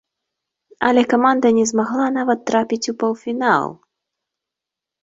Але каманда не змагла нават трапіць у паўфінал!